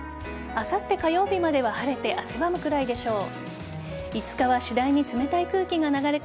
あさって火曜日までは晴れて汗ばむくらいでしょう。